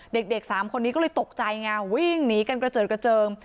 เด็ก๓คนนี้ก็เลยตกใจไงวิ่งหนีกันกระเจิดกระเจิง